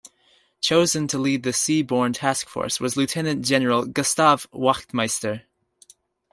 Chosen to lead the sea-borne task force was Lieutenant-General Gustav Wachtmeister.